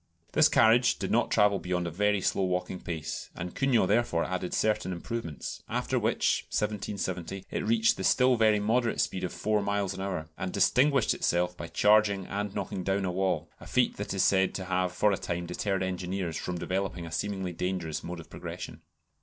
This carriage did not travel beyond a very slow walking pace, and Cugnot therefore added certain improvements, after which (1770) it reached the still very moderate speed of four miles an hour, and distinguished itself by charging and knocking down a wall, a feat that is said to have for a time deterred engineers from developing a seemingly dangerous mode of progression.